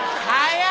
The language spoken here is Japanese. はい。